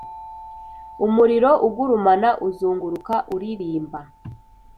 umuriro ugurumana uzunguruka uririmba,